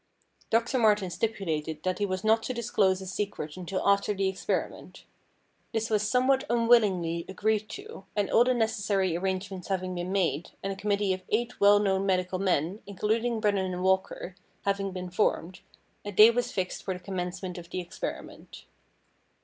Doctor Martin stipulated that he was not to disclose his secret until after the experiment. This was somewhat unwillingly agreed to, and all the necessary arrangements having been made, and a committee of eight well known medical men, including Brennan and Walker, having been formed, a day was fixed for the commencement of the experiment.